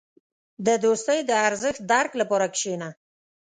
• د دوستۍ د ارزښت درک لپاره کښېنه.